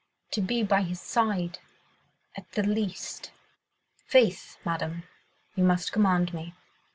to be by his side ... at the last." "Faith, Madame, you must command me.